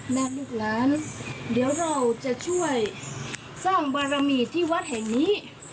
และลูกหลานเดี๋ยวเราจะช่วยสร้างบารมีที่วัดแห่งนี้